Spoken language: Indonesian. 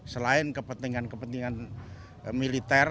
selain kepentingan kepentingan militer